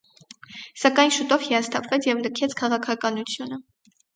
Սակայն շուտով հիասթափվեց և լքեց քաղաքականությունը։